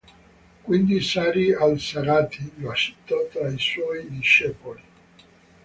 Quindi Sarī al-Saqaṭī lo accettò tra i suoi discepoli.